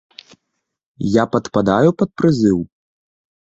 Я падпадаю пад прызыў?